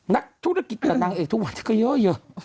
นักธุรกิจแต่นางเอกทุกวันนี้ก็เยอะ